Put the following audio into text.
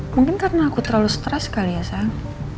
mungkin karena aku terlalu stres kali ya sayang